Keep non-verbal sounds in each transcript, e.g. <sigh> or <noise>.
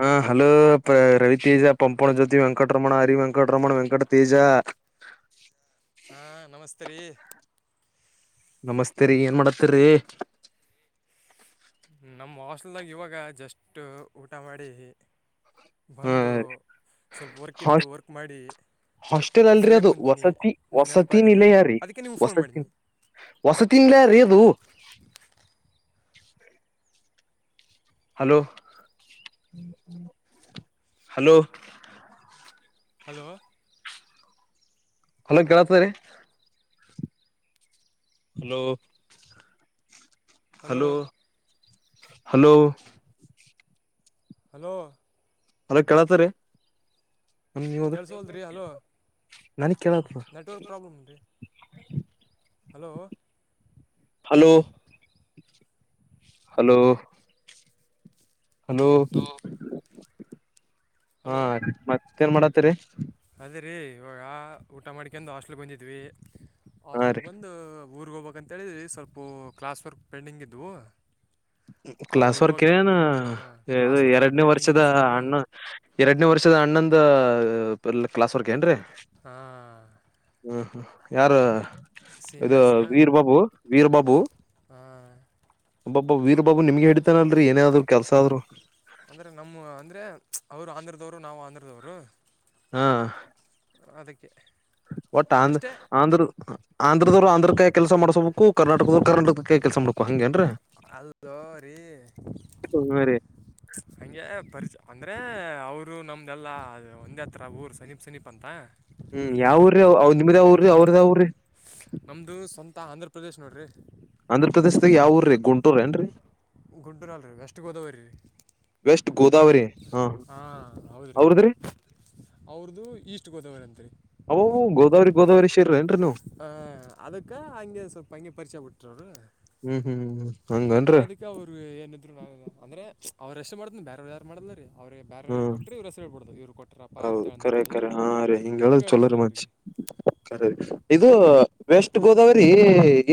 ಹಾ ಹಲೋ ರವಿ ತೇಜ ಪಂಪನ ಜ್ಯೋತಿ ವೆಂಕಟರಮಣ ಹರಿ ವೆಂಕಟರಮಣ ವೆಂಕಟ ತೇಜ ಹಾ ನಮಸ್ತೆ ರೀ ನಮಸ್ತೆೇ ರರಿ ಏನ್ ಮಾಡತ್ತರಿ ನಮ್ಮ ಹಾಸ್ಲ್ದಾಗ ಇವಾಗ ಜಸ್ಟ್ ಊಟ ಮಾಡಿ ಹ ಬಂದು ಸ್ವಲ್ಪ ವರ್ಕ್ತ್ತು ಹಾಸ್ ವರ್ಕ್ ಮಾಡಿ ಹಾಸ್ಟೆಲ್ ಅಲ್ರರಿ ಫ್ರೀಯಾಗಿ ಅದು ಕುಂತೀನಿ ವಸತಿ ನೀವು ವಸತಿನ ನೆನಪಾದಿರಿ ಇಲಯ ರೀ ಅದಕ್ಕೆ ನಿಮ್ಗೆ ಫೋನ್ ವಸತಿ ಮಾಡಿದ್ದೀನಿ ವಸತಿಲ್ಲ ರದು ಹಲೋ ಹಲೋ ಹಲೋ ಹಲೋ ಕೇಳತರಿ hello hello hello hello hello ಕೇಳತರಿ ಕೇಳತಿ ಕೇಳಿಸೋಲ್ದ್ರಿ ಹಲೋ ನೆಟ್ವರ್ಕ್ ಪ್ರಾಬ್ಲಮ್ ರೀ ಹಲೋ ಹಲೋ ಹಲೋ ಹಲೋ ಹಾ ಹಲೋ ಮತ್ತೇಏನ್ ಮಾಡತೀರಿ ಅದೇ ರೀ ಇವಾಗ ಊಟ ಮಾಡ್ಕಂಡ ಹಾಸ್ಟೆಲ್ಗೆ ಬಂದಿದ್ವಿ ಹಾ ಹಾಸ್ಟೆಲ್ ರೀ ಬಂದು ಊರಿಗೆ ಹೋಗಬೇಕಂತೇಳಿದ ಸ್ವಲ್ಪ ಕ್ಲಾಸ್ ವರ್ಕ್ ಪೆಂಡಿಂಗ್ ಇದ್ವು ಕ್ಲಾಸ್ ವರ್ಕ್ಏನು ಕ್ಲಾಸ್ ವರ್ಕು ಎರಡನೇ ಪೆಂಡಿಂಗ್ ವರ್ಷದ ಇದ್ದು ಸ್ವಲ್ಪ ಅಣ್ಣ ಎರಡನೇ ವರ್ಷದ ಅಣ್ಣಂದ ಕ್ಲಾಸ್ ವರ್ಕ ಏನ್ರಿ ಹಾ ಯಾರು ಇದು ವೀರ್ ಬಾಬು ವೀರ್ ಬಾಬು ಒಬ ವೀರ್. ವೀರ್ ಬಾಬು ನಿಮ್ಗೆ ಇಡಿತಾನಲ್ರಿ ಏನಾದ್ರು ಕೆಲ್ಸ ಆದ್ರು. ಅಂದರೆ ನಮ್ಮ ಅಂದರೆ ಅವರು ಆಂಧ್ರದವ್ರು ನಾವವು ಆಂಧ್ರದವ್ರು. ಹಾ. ಅದಿಕ್ಕೆ. ಒಟ್ಟ ಆಂಧ್ರ ಆಂಧ್ರರು. ಆಂಧ್ರದವ್ರು ಕಾಯ ಕೆಲ ಮಾಡ್ಬೇಕು ಕರ್ನಾಟಕದ್ರು ಕರ್ನಾಟಕ ಕೆಲಸ ಮಾಡಬೇಕು. ಅಲ್ದ ರೀ ಹ್ಮ್ ರೀ ಹಂಗೆ ಪರಿಚಯ ಅಂದ್ರೆ. ಅವರು ನಮ್ದೆಲ್ಲಾ ಅ ಒಂದೇ ಹತ್ರ ಊರ್ ಸನೀಪ್ ಸನೀಪ್ ಅಂತ. ಹ್ಮ್ ಯಾವ ಊರ್ರೀ ಅವ್ರ ನಿಮ್ದ ಯಾವ ಊರಿ ಅವ್ರ ಯಾವ ಊರಿ. ತಾ ಆಂಧ್ರಪ್ರದೇಶ್ ನೋಡಿರಿ. ಆಂಧ್ರ ಪ್ರದೇಶದಾಗ ಯಾವ ಊರ್ರೀ ಗುಂಟೂರ ಏನ್ರೀ. ಗುಂಟೂರಲು ರೀ ವೆಸ್ಟ್ ಗೋದಾವರಿ ರೀ. ವೆಸ್ಟ್ ಗೋದಾವರಿ ಹಾ ಹಾಂ ಹೌದು ರೀ ಅವ್ರದ್ರೀ. ಅವ್ರದ್ದು ಈಸ್ಟ್ ಗೋದಾವರಿತ್ರಿ. ಗೋದಾವರಿ ಗೋದಾವರಿ ಸೈಡ್ನ್ನುವು. ಹ ಅದಕ್ಕ ಹಂಗೆ ಸ್ವಲ್ಪ ಹಂಗೆ ಪರಿಚಯ ಹಾಗಿ ಬಿಟ್ರವರು ಹ್ಮ್ ಹ್ಮ್ ಹಂಗನ್ರಿ ಅದಕ್ಕೆ ಅವರು ಏನ ಇದ್ರು ಆಗದ ಅಂದ್ರೆ ಅವ್ರ ಎಷ್ಟ ಮಾಡತನ ಬೇರೆವ ಯಾರು ಮಾಡಲರೀ ಅವ್ರರಿಗೆ ಬೇರೆವ್ರೇನು ಹ್ಮ್ ಕೊಟ್ರಿ ಇವರು ಹೆಸರುಳ್ಬಡ್ದದು ಇವ್ರು ಕೊಟ್ರಪ್ಪಾ ಹೌದು ಅಂತ ಕರೆ ಅಂದ್ಬಿಡೋದು ಕರೆ ಹಾ ಇವ್ರು ಹೇಳ್ತಾರ ಅವ್ರರಿಗೆ ಕರೆ ಇದು ವೆಸ್ಟ್ ಗೋದಾವರಿ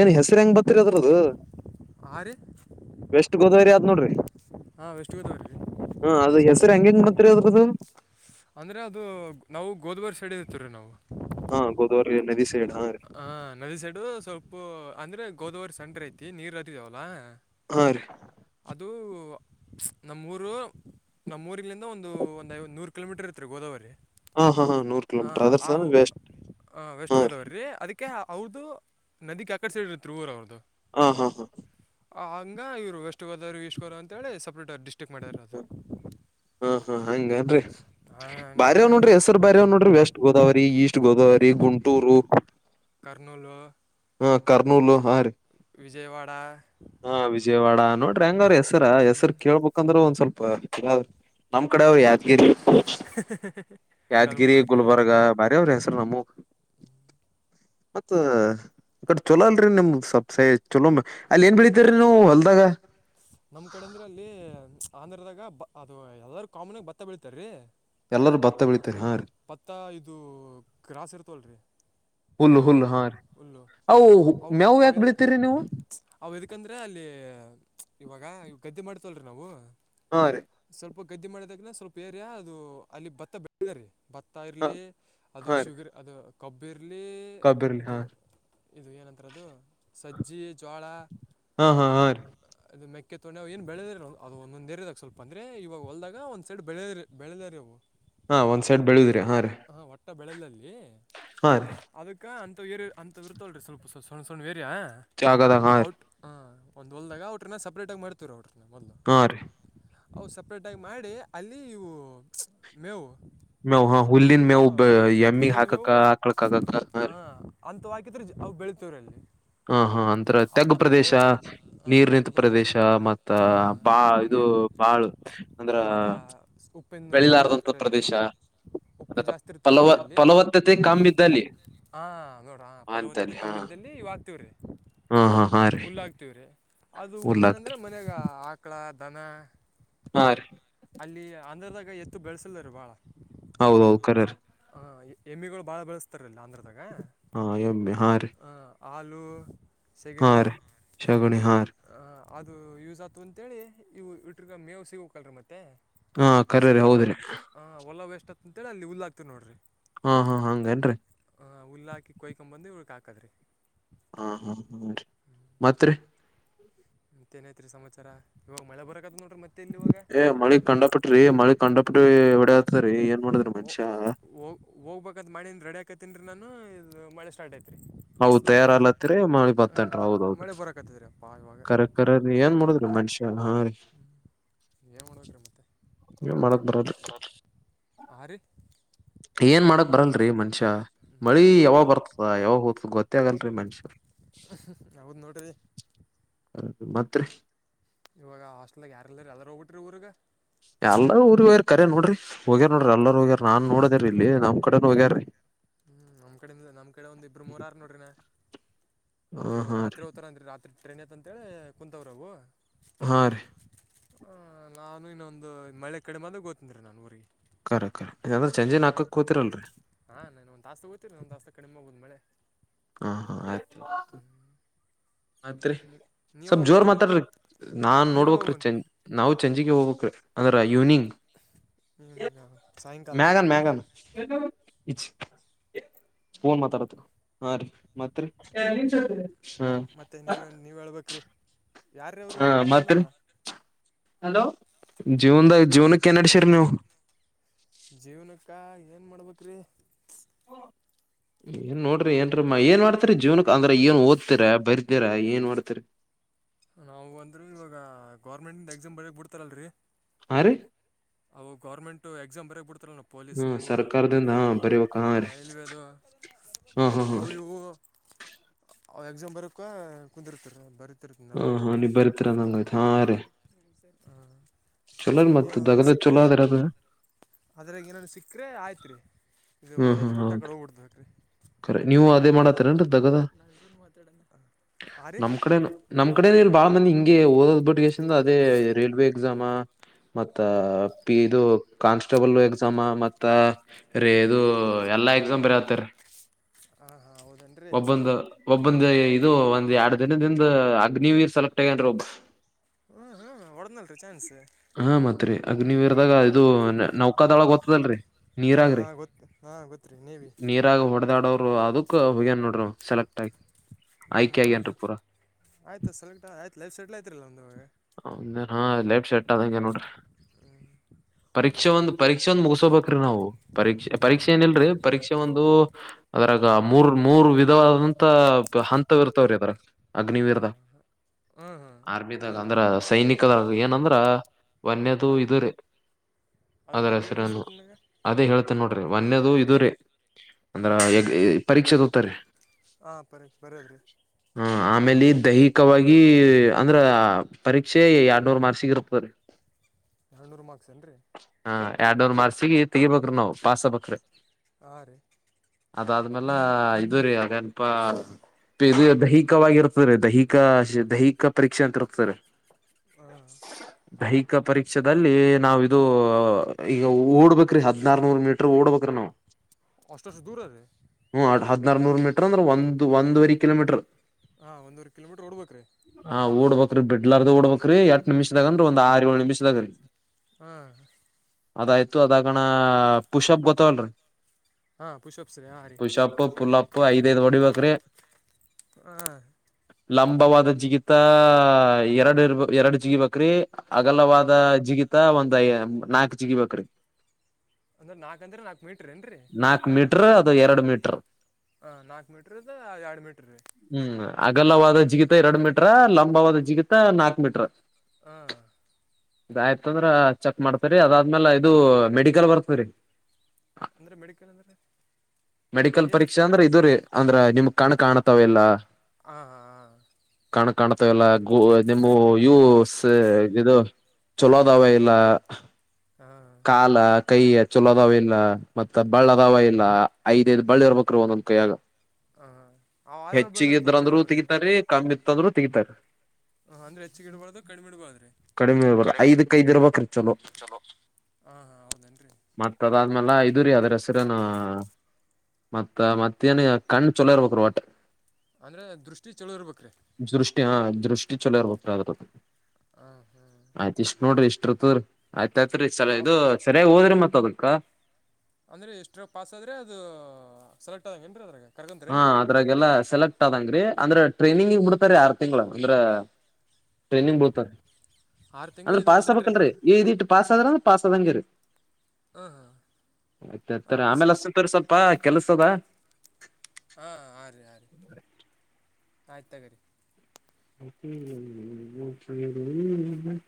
ಏನ್ ಹೆಸರು ಹೆಂಗ್ ಬರ್ತಿರಿ ಅದ್ರದು. ಹರೀ ಬೆಸ್ಟ್ ಗೋದಾವರಿ ಆದ್ ನೋಡ್ರಿ ವೆಸ್ಟ್ ಗೋದಾವರಿ ರೀ ಹ ಅದ ಹೆಸರು ಹಂಗಂಗ ಬಂತ್ರಿ ಅದೃದು ಅಂದ್ರೆ ಅದು ನಾವು ಗೋದವರಿ ಸೈಡ್ ಇರ್ತವ್ರೀ ನಾವು ಹಾ ಗೋದವರಿ ನದೀ ಹ ನದಿ ಸೈಡು ಸ್ವಲ್ಪ ಅಂದ್ರೆ ಗೋದಾವರಿ ಸಂಡ್ರ ಐತಿ ನೀರ್ ಹತ್ತಿದಾವಲ್ಲಾ ಹರೀ ಅದು ನಮ್ಮೂರು ನಮ್ಮೂಊರಿಲಿಂದ ಒಂದು ಒಂದು ಐವತ್ತು ನೂರು ಕಿಲೋಮೀಟರ್ ಇರ್ತ್ತೀ ಗೋದಾವರಿ ಹಾ ಹಾ ಹಾ ನೂರು ಕಿಲೋಮೀಟರ್ ಆ ಅದರ್ ವಸ್ಟ್ ಹಾ ರೀ ಅವ್ರ್ದು ನದಿ ಕಾಕಡ್ಸ ಇತ್ ಊರ ಅವ್ರ್ದು ಹಾ ಹಾ ಹಾ ಹಂಗ ಇವ್ರು ವೆಸ್ಟ್ ಗೋದವ್ರು ಈಸ್ಟ್ ಗೋದ್ ಅಂತೇಳಿ ಸಪ್ರೇಟ್ ಡಿಸ್ಟ್ರಿಕ್ಟ್ ಮಾಡ್ಯಾರ ಅದು ಹಾ ಹಾ ಹಂಗನ್ರಿ ಆ, ಹಂಗ ಬಾರ್ಯವ್ ನೋಡ್ರಿ ಹೆಸರ್ ಬ್ಯ ಅವ್ ನೋಡ್ರಿ ವೆಸ್ಟ್ ಗೋದಾವರಿ ಈಸ್ಟ್ ಗೋದಾವರಿ ಗುಂಟೂರು ಕರ್ನೂಲು ಹ ಕರ್ನೂಲ್ಲು ಹಾ ರೀ ವಿಜಯವಾಡ ಹಾ ವಿಜಯವಾಡ ನೋಡ್ರಿ ಹೆಂಗ ಅವ್ರ ಹೆಸರ ಹೆಸರು ಹ್ಮ್, ಕೇಳ್ಬೇಕಂದ್ರೆ ಒಂದ್ ಸ್ವಲ್ಪ ನಮ್ ಕಡೆ ಅವ್ರು ಯದ್ಗಿರಿ ಯಾದಗಿರಿ ಕಲಬುರ್ಗಿ ಗುಲ್ಬರ್ಗ ಬರ ಅವ್ರ ಹೆಸ್ರ ನಮ್ಮ ಮತ್ತ ಅ ಕಡೆ ಚೊಲೋ ಅಲ್ರರಿ ನಿಮ್ದ ಸ್ಪ ಚಲೋ ಅಲ್ಲಿ ಏನ್ ಬೆಳಿತರರಿ ನೀವು ಹೊಲ್ದಾಗ ನಮ್ ಕಡೆ ಅಂದ್ರೆ ಅಲ್ಲಿ ಆಂಧ್ರದಾಗ ಅದು ಯದಾದಾರೂ ಕಾಮನ್ ಆಗ ಬ ಭತ್ತ ಬೀಳತಾರೀ ಎಲ್ಲರೂ ಭತ್ತ ಬೆಳಿತಾರೆ ಹ ಹಾ ರೀ ಪತ್ತ ಇದು ಗ್ರಾಸ್ ಇರ್ತವಲ್ರಿ ಹುಲ್ಲ ಹುಲ್ಲ ಹಾ ರೀ ಅವು ಮ್ಯಾವು ಯಾಕೆ ಬೆೀಳ್ತಿೀರಿ ನೀವು ಅವ ಇದದಕಂದ್ರೆ ಅಲ್ಲಿ ಇವಾಗ ಗದ್ದೆ ಮಾಡ್ತಲ್ರರಿ ನಾವು ಹಾ ರೀ ಪ ಗದ್ದಿ ಮಾಡಿದಾಗ ಸ್ವಲ್ಪ ಏರಿಯಾ ಅದು ಅಲ್ಲಿ ಭತ್ತ ಬೆಳ ಭತ್ತ ಹ ಇರ್ಲಿ ಅದು ಹಾ ರೀ ಶುಗರ್ ಅದು ಕಬ್ಬೀರ್ ಇಲ್ಲಿ ಕಬ್ಬಿರ್ಲಿ ಇದು ಹಾ ಇದು ಏನಂತದು ಸಜ್ಜಿ ಜೋಳ ಹಾ ಹಾ ಹಾ ರೀ ಅದು ಮೆಕ್ಕೆ ತೊಣೆವು ಏ ಬೆಳೆದ ಅದು ಒಂದೊಂದ್ರದಾಗ ಸ್ವಲ್ಪ ಅಂದ್ರೆ ಇವಾಗ ಹೊಲ್ದಾಗ ಒಂದ್ ಸೈಡ್ ಬೆಳೆ ಬೆಳೆದ ರ ಅವು ಹಾ ಒಂದ್ ಸೈಡ್ ಬೆಳುದ್ರಿ ಹಾ ರೀ ಬೆಳೆಲ್ಲಿ ಹಾ ರೀ ಅದಕ್ಕ ಅಂತೇ ಅಂತ ಇರ್ತಲ್ ಸ್ವಲ್ಪ ಸಣ್ಣ ಸಣ್ಣೇ ಜಾಗದಾಗ ಹಾ ರೀ ಔಟ್ ಹ ಒಂದು್ಲ್ದಾಗ ಟ್ರನ್ನ ಸಪ್ರೇಟ್ ಆಿ ಮಾಡ್ತೀವ್ರ ಅವ್ರ ಆರು ಅವು ಸಪ್ರೇಟ್ ಆಗಿ ಮಾಡಿ ಅಲ್ಲಿ ಇವು ಮೇವು ಮೇವು ಹ ಹುಲ್ಲಿನ್ ಮೇವು್ ಹಾಂ ಎಮ್ಮಗ್ ಹುಲ್ಲಿನ ಹಾಕಕ್ಕ ಹಕಳಕ್ ಹಕಕ್ಕ ಅಂತ ಹಾಕಿದ್ರೆ ಅವು ಬೆಳೀಿತೀವ್ರ ಅಲ್ಲಿ ಹಾ ಹಾ ಅಂತ್ರ ಅ- ತೆಗ್ ಅ- ಪ್ರದೇಶ ಅವಷ್ಟೇ ಹಾಂ ನೀರ್ ನಿಂತ ತಗ್ಗು ಪ್ರದೇಶ ಮತ್ತ ಹಾಂ ಬಾ ಇ ಇದು ನೀರು ಬಾಳ ಅಂದ್ರ ಭಾಳ ಉಪ್ಪಿನ ಜಾಸ್ತಿ ಬೆಳಲಾರದಂತ ಇರ್ತಾರೆ ಅಲ್ಲಿ ಪ್ರದೇಶ <inaudible> ಇರ್ತಾರೆ ಫಲವ ಫಲವತ್ತತೆ ಕಮ್ಮಿದ್ದಲ್ಲಿ ಹಾ ನೋಡ್ರ ಫಲವತ್ತತೆ ಕಮ್ಮಿದ್ದಲ್ಲಿ ಇವಾಗ ಹಾ ಹಾ ಹಾ ರೀ ರೀ ಅದು ಹುಲ್ಲ ನಂದ್ರೆ ಉರ್ಲಾಗ್ತರಿ ಮನ್ಯಾಗ ಆಕಳ ದನ ಹಾ ರೀ ಅಲ್ಲಿ ಆಂಧ್ರದಾಗ ಎತ್ತು ಬೆಳಸಿಲ್ಲದರು ಬಾಳ ಹೌದೌ ಕರರ್ ಹ ಎಮಿಗಳು ಬಾಳ ಬೆಳಸ್ತಾರೆ ಹಾ ಎ ಹಾ ರೀ ಹಲೂ ಹಾ ರ ಶಗುಣಿ ಹಾರ ಆ, ಅದು ಯೂಸ್ ಆತು ಅಂತೇಳಿ ಇವು ಇಟ್ರಗ ಮೇವು ಸಿಗೋಕಲ್ರಿ ಮತ್ತೆ ಹಾ ಮತ್ತ ಕರರಿ ಸುಮ್ನೆ ಹೊಲ ಹೌದ್ರಿ ಹ ಹೊಲ ವೇಸ್ಟ್ ಅತ್ ಅಂತೇಳಿ ಅಲ್ಲಿ ಉಲ್ಲಾಕ್ತಿರಿ ನೋಡ್ರಿ ಹಾ ಹಾ ಹಂಗೇನ್ರಿ ಹ ಉುಲ್ಲಾಕಿ ಕೊಯ್ಕೊ ಬಂದು ಇಳ್ಕ ಹಾಕದ್ರಿ ಹಾ ಹ್ಮ್ ಹ್ಮೀ ಮತ್ತತ್ರಿ ಅಂತೇನೈತ್ರಿ ಸಮಾಚಾರ ಇವಾಗ ಮಳೆ ಬರಕತ್ ನೋಡಿ ಏ ಮಳಿಗ್ ಕಂಡಪಟ್ರಿ ಮಳಿಗ್ ಕಂಡಪಟ್ರಿ ಒಡೆ ಆತರಿ ಏನ್ ಮಾಡಿದ್ರಿ ಓ ಮನುಷ್ಯ ಹೋಗ ಹೋಗ್ಬೇಕಾದ ಮಳಿಂದ ರೆಡಿ ಆಾಕತಿನ್ ನಾನು ಮಳೆ ಸ್ಟಾರ್ಟ್ ಆಯತಿ ಹೌದ ತಯಾರಲತ್ತರಿ ಮಿ ಬತನ್ ಹೌದೌದಿ ಮಳೆ ಬರಕತ್ತದ್ರಿ ಅಪ್ಪ ಇವಾಗ ಕರ ಕರದ ಏನ್ ಮಾಡಡಿದ್ ಮನುಷ್ಯ ಹಾ ರೀ ಏನು ಮಾಡ್ಬೇಕ್ರಿ ಮತ್ತೆ ನೀ ಮಾಡಕ್ ಬರಲ್ಲ ಹಾಂ ರೀ ಏನ್ ಮಾಡಕ್ ಬರಲ್ರಿ ಮನುಷ್ಯ ಮಳಿ ಇವಾಗ ಯಾವಾಗ್ ಬರ್ತದ ಯಾವಾಗ ಹೋಗ್ತದ ಗೊತ್ತೇ ಆಗಲ್ರಿ ಮನುಷ್ಯರು ಹೌದ್ ನೋಡ್ರಿ ದು ಮಾತ್ರ ಇವಾಗ ಹಸ್ಟಲ್ಗ ಯಾರ ಇಲ್ರಿ ಎಲ್ಲರ ಹೋಗಬಿಟ್ರಿ ಊರ್ಗ ಎಲ್ಲ ಊರಿ ಹ್ಯ ಕರ ನೋಡ್ರಿ ಹೋಗ್ಯಾರ ನೋಡ್ರಿ ಎಲ್ಲರೂ ಹೋಗ್ಯಾರ ನಾನ್ ನೋಡದೇರಿ ಇಲ್ಲಿ ನಮ್ ಕಡೆ ಹೋಗ್ಯಾರ ರೀ ಹ್ಮ್ ನಮ್ ಕಡೆಯಿಂದ ನಮ್ ಕಡೆ ಒಂದ್ ಇಬ್ರು ಮೂರಾರ ನೋಡ್ರಿಿನ ಅವರು ಹ ಹಾ ರಾತ್ರಿ ರೀ ಹೋ್ತಾರಂದ್ರಿ ರಾತ್ರಿ ಟ್ರೈನ್ ಐತ್ ಅಂತೇಳಿ ಕುೂತ್ವ್ರ ಅವು ಹ ಹ ನಾನು ಇನ್ನೊಂದು ಮಳೆ ಕಡೆಮದೆ ಓ್ತನ್ ನಾನ್ ಊರಿಗೆ ಕರೆಕ್ ಕರೆಕ್ಂದ್ರೆ ಸಂಂಜೆ ನಾಕಕ್ ಕೂತಿರಲ್ರಿ ಒಂದ್ಸ ಕಡಿಮೆ ಹೋಗೋ್ ಮಳೆ ಹಾ ಹಾ ಆಯ್ತುತು ಮತ್ರಿ ಹ್ಞೂ ನೀವು ಸ್ವಲ್ಪ್ ಯಾವಾಗ ಜೋರ್ ಗೊತ್ತೀರಿ ಮಾತಾಡ್ರಿ ನಾನ್ ನೀವು ಯಾವಾಗ ನೋಡ್ಬ್ರೀ ಚ ಹೊಂಟ್ರಿ ನಾವು ಚಜಿಗೆ ಹೋಗ್ಬೇಕ ಅಂದ್ರ ಇವ್ನಿಂಗ್ ಈವ್ನಿಂಗ್ ಸಾಯಂಕಾಲ ಮ್ಯಾಗನ್ ಮ್ಯಾಗನ್ ಇಚ್ ಫೋನ್ ಮಾತಾಡ ಹಾ ರೀ ಮತ್ ಮತ್ತೆ ನೀವನ್ ನೀವ್ ಹೇಳ್ಬ್ರಿ ಯಾರಾವ್ರಿ ನೀ ಯಾರ ಬಂದಾರಲ್ಲ ಹಲೋ ಜೀವದ ಇದ ಜೀವನಕ್ಕ ಏನ್ ಮಾಡ್ಬೇಕ್ರಿ <unintelligible> ಏನ್ ನೋಡ್ರಿ ಏನ್ರೀ ಏನ್ ಮಾಡ್ತರಿ ಜೀವನಕ್ ಅಂದ್ರೆ ಏನ್ ಓದ್ತಿರ ಬರ್ತೀರಾ ಏನ್ ಮಾಡ್ತರಿ ನಾವು ತ್ತಲ್ರಿ ಆ ಅವು ಗೌರ್ೆಂಟ್ ಎಕ್ಸಾಮ ಬರ ಬ ಬಿಟ್ಟು ಹ್ಮ ಸರ್ಕಾರದಿಂದ ಹಾ ಬರಿವ ಹಾ ರೀ ಹಾ ಹಾ ಹಾ ಅ ರೀ ಇವು ಎಕ್ಸಾಮ್ ಬರಕ್ಕ ಕುಂತಿರ್ತರ ಬ ಹಾ ಹಾ ನೀವು ಬರಿತರ ನಂಗಯ್ತ ಹಾ ರ ಚಲೋರಿ ಮತ್ತತ್ ದಗದ ಸಿಕ್ಕ್ರ ಚಲೋ ಅದ್ರ ಅದ ಅದ್ರಾಗ ಏನನ್ ಸಿಕ್ಕ್ರೆ ಆಯ್ತ್ರಿ ಹ್ಮ್ ಹ್ಮ್ ಹೌದರಿ ಕರ ನೀವು ಅದೇ ಮಾಡತ್ತರನ್ರಿ ಗದ ಹಾಂ ರೀ ನಮ ಕಡೆನು ನಮ್ ಕಡೆನ ಇ ಬಾಳ ಮಂದಿ ಹ ಗೆ ಓದೋದ್ ಬಟ್ಟಗೆಷ್ಟಿಂದ ಅದೇ ರೈಲ್ವೆ ಎಕ್ಸಾಮಾ ಮತ್ತ ಪ ಇದು ಕಾನ್ಸ್ಟೇಬಲ್ ಎಸಾಮ ಮತ್ತ ರೀ ಇದು ಎಲ್ಲಾ ಎಕ್ಸಾಮ್ ಬರಿ ಆತ್ತರಿ ಹಾಂ ಹಾಂ ಹೌದೇನ್ರಿ ಬಂದ ಇದು ಒಂದ್ ಎರಡ್ ದಿನದಿಂದ ಅಗ್ನಿವೀರ್ ಸೆಲೆಕ್ಟ್ ಆಗ್ಯನ್ ಒಬ್ ಹ್ಮ ಹ್ಮ ಒಡದಲ್ರಿ ಚಾನ್ಸ್ ಹಾ ಮತ್ರಿ ಅಗ್ನಿವೀರ್ದಾಗ ಇದು ನೌಕಾದೊಳಗೆ ಗೊತ್ತದಲ್ರರಿ ನೀರಾಗ್ರಿ ಹಾ ಗೊತ್ರಿ ನೀವಿ ನೀರಾಗ ಹೊಡದಾಡೋರು ಅದಕ್ ಹೋಗ್ಯನ್ ನೋಡ್ರರು ಸೆಲೆಕ್ಟ್ ಆಗಿ ಹ್ಮ್ ಆಯ್ಕೆ ಆಯ್ತು ಆಗ್ಯನ್ರಿ ಪೂರಾ ಆಯ್ತ ಸಲೆಕ್ಟ್ ಆಯ್ತು ಲೈಫ್ ಸೆಟ್ಲ್ ಆಯ್ತರಿಲ್ಲ ಒಮಂದುವಾಗ ಹ ಹಾ ಲೈಟ್ ಶೆಟ್ ಆದಂಗೆ ನೋಡ್ರಿ ಹ ಪರೀಕ್ಷೆ ಒಂದ್ ಪರೀಕ್ಷೆ ಒಂದ್ ಮುಗಿಸೋಬೇಕ್ರಿ ನಾವು ಪರೀಕ್ಷೆ ಹಾಂ ಪರೀಕ್ಷೆ ಏನಿಲ್ರರಿ ಪರೀಕ್ಷೆ ಒಂದು ಅರಾಗ ಮೂರ್ ಮೂರ್ ವಿಧವಾದಂತ ಹಂತವಿ ಇರ್ತವ್ರೀ ಅದ್ರಾಗ ಹಾಂ ಅಗ್ನಿವೀರ್ದಾಗ ಹಾಂ ಹಾಂ ಆರ್ಮಿದಾಗ ಅದು ಅಂದ್ರ ಸೈನಿಕದಾಗ ಏನಂದ್ರ ಒನ್ಯದು ಅದ್ರ ಇರೆ ಅದ್ರ ಬಗ್ಗೆ ಹೇಳ್ರಿ ಹೆಸರನು ಸ್ವಲ್ಪ ನನಗೆ ಅದೇ ಹೇಳ್ತೇನ ನೋಡ್ರಿ ಮನ್ೇದು ಇದುರಿೀ ಅಂದ್ರ ಎಗ್ ಪರೀಕ್ಷೆದತ್ತಾರೆ ಬರ ಬರೋದ ರೀ ಆ ಆಮೇಲೆ ದೈಹಿಕವಾಗಿ ಅಂದ್ರ ಪರೀಕ್ಷೆ ಎರಡ್ನೂರ್ ಮಾರ್ಸಿಗೆ ಇರ್ಕ್ತ್ರರಿ ಎರಡುನೂರು ಮಾರ್ಕ್ಸ್ ಏನ್ ರೀ ಎರಡ್ೋ ಮಾರ್ಸಿ ತೆಗರ್ಬೇಕ್ರಿ ನಾವವು ಪಸ್ ಬಕ್್ರೀ ಆ ಅದಾದ್ಮೇಲೆ ಇದದುರಿೀ ಆನಪಾ ಇದು ದೈಹಿಕವಾಗಿರ್ತದೆ ದೈಹಿಕ ದೈಹಿಕ ಪರೀಕ್ಷೆ ಅಂತಿತ್ತ ಸರಿ ಹಾಂ ದೈಹಿಕ ಪರೀಕ್ಷದಲ್ಲಿ ನಾವ ಇದು ಈಗ ಓಡ್ಬೇಕ್ರೀ ಹದನಾರ ನೂರ್ ಮೀಟರ್ ಓಡ್ಬೇಕ್ರೀ ನಾವವು ಅಷ್ಟಷ್ಟ ದೂರ ರ ಹದರ್ನೂರ್ ಮೀಟರ್ ಅಂದ್ರೆ ಒಂದು ಒಂದುವರೆ ಕಿಲೋಮೀಟರ್ ಹಾಂ ಒಂದೂವರೆ ಕಿಲೋಮೀಟ್ರ್ ಹೊಡ್ಬೇಕು ರೀ ಬಿಡ್ಲಾರ್ಾರ ೋಡ್ಬಬೇಕ್ರೀ ಎಟ್ ನಿಮಿದ ಅನ್ರಿ ಒಂದ ಆರು ಏು ನಿಮಿದ ರರಿ ಹ್ಮ್ ಅದಾಯ್ತು ಅದಾಗಣ ಪುಷಪ್ ಗೊತ್ತವಲ್ರಿ ಹಾಂ ಪುಷಪ್ಸ್ ರೀ ಹಾಂ ರೀ ಪುಷಪ್ಪು ಪುಲ್ಲಪ್ಪು ಐದೈದು ಹೊಡಿಬೇಕೇಕ್ರಿ ಹ ಲಂಬವಾದ ಜಿಗಿಿತಾ ಎರಡು ಇರ್ ಎರಡ್ ಜಿಗಿ ಬಕ್ರಿ ಅಗಲವಾದ ಜಿಗಿತಾ ಒಂದ್ಯ ನಾಕ್ ಜಿಗಿ ಬ್ರಿ ಅಂದ್ರೆ ನಾಲ್ಕು ಅಂದ್ರೆ ನಾಲ್ಕು ಮೀಟ್ರ ಏನು ರೀ ನಾಕ್ ನಾಲ್ಕು ಮೀಟ್ರ ಅದು ಎರಡ್ ಮೀಟ್ರ ಹಾಂ ನಾಲ್ಕು ಮೀಟ್ರೀದ ಎರಡು ಮೀಟ್ರ ರೀ ಹ್ಮ್ ಅಗಲವಾದ ಜಿಗಿತ ಎರಡು ಮೀಟ್ರ ಲಂಬವಾದ ಜಿಗಿತ ನಾಕ್ು ಮೀಟ್ರ ಹ ಇದಯ್ತ ಅಂದ್ರ ಚೆಕ್ ಮಾಡ್ತರಿ ಅದಾದ್ಮೇಲೆ ಇದು ಮೆಡಿಕಲ್ ಬರ್ತರಿ ಅಂದರೆ ಮೆಡಿಕಲ್ ಅಂದರೆ ಮೆಡಿಕಲ್ ಏನಿರ್ತ ಪರೀಕ್ಷೆ ಅಂದ್ರೆ ಇದು ರೀ ಅಂದ್ರ ನಿಮ ಕಣ ಕಾಣ್ತಾವಲ್ಲ ಹ ಹ ಹಾ ಕಾಣ್ತಾ ಇಲ್ಲ ನಿಮ್ಮ ಇವು ಇದು ಚಲೋದಾವೇ ಇಲ್ಲ ಹಾಂ ಕಾಲಕ್ ಕೈ ಚಲ್ ಅದಾವ ಇಲ್ಲ ಮತ್ತತ್ ಬಳ್ಳ ಅದಾವ ಇಲ್ಲ ಐದೈ್ ಬಳ್ಳ ಇರ್ಬೇಕ್ರೀ ಒಂದೊಂದ್ ಕೈಯಗ ಹ ಅವ ಆರಾರ ಬೆಳಿರ್ಕೊಲ್್ರಿ ಅವ್ರಿಗೆ ತೊಂದರು ತೆಗತಾರೆ ಹಾಂ ಅಂದ್ರೆ ಹೆಚ್ಚಿಗೆ ಇಡಬಾರ್ದು ಕಡಿಮೆ ಇಡಬಾರ್ದು ರೀ ಕಡಿಮೆ ಇಬಲ್ಲ ಐದಕ್ ಐದು್ ರೂರುವ ಖರ್ಚಲ್ಲ ಚಲೋ ಹಾಂ ಹಾಂ ಹೌದೇನ್ರಿ ಮತ್ತ ಅದಾದ್ಮೇಲೆ ಐ ಇದರಿೀ ಅದ್ರ ಹೆಸರನ್ ಮತ್ತ ಮತ್ತೇಏನ್ ಕಣ್ಣ್ ಚೊಲೋ ಇರ್ಬೇಕ ರೀ ಒಟ್ ಅಂದ್ರೆ ದೃಷ್ಟಿ ಚಳೋ ಇರ್ಬೇಕ್ರೀ ದೃಷ್ಟಿ ದೃಷ್ಟಿ ಚಲೋ ಇರ್ಬ ಹಾಂ ಹಾಂ ಆಯ್ತ ಇಷ್ಟ್ ನೋಡ್ರಿ ಇಷ್ಟ ಇರ್ತ ಆಯ್ತ ಮತ್ರಿ ಸಲ ಇದು ಸರಿಯಾಗಿ ಹೋದ್ರಿ ಮತ್ತ ಅದಕ್ಕ ಅಂದ್ರೆ ಎಷ್ಟ್ರ ಪಾಸ್ ಆದ್ರೆ ಅದು ಸೆಲೆಕ್ಟ್ ಆದಂ ಏನ್ರೀ ಅದ್ರಾಗ ಹಾ ಕರ್ಕೊಂತಾರೇನು ರೀ ಅದ್ರಾಗೆಲ್ಲ ಸೆಲೆಕ್ಟ್ ಆದಂಗ್ರೀ ಅಂದ್ರೆ ಟ್ರೈನಿಂಗ್ ಇಬಡ್ತಾರೆ ಆರ್ ತಿಂಗಳ ಅಂದ್ರ ಟ್ರೈನಿಂಗ್ ಬೋತದ ಆರು ತಿಂಗಳು ಅಂದ್ರೆ ಇದು ಪಾಸ್ ಮತ್ತೆ ಟ್ರೈ ಆಗ್ಬಬೇಕಲ್್ರೀಿ ಪಸ್ ಅ ಆದ್ರ್ರೆ ಪಸ್ ಹಾಂ ಆದಂಗಗೆರಿತತ ಹಾಂ ಆಮೇಲೆಸ ಸ್ವಲ್ಪ ಅಪ್ಪಾ ಕೆಲ್ಸದ ಹಾ ಹಾ ರೀ ಆ ರೀ ಆಯ್ತು ತಗರಿ ಅತ್ತ <unintelligible> <unintelligible>